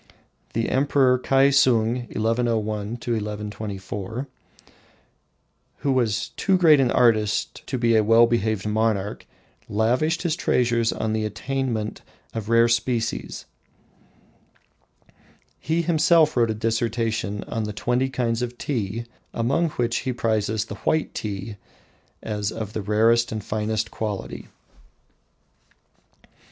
The Emperor Kiasung (1101 1124), who was too great an artist to be a well behaved monarch, lavished his treasures on the attainment of rare species. He himself wrote a dissertation on the twenty kinds of tea, among which he prizes the "white tea" as of the rarest and finest quality.